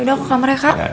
udah aku ke kamarnya kak